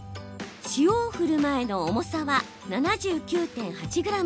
塩を振る前の重さは７９．８ｇ。